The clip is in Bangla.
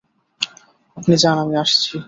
আপনি যান আমি আসছি।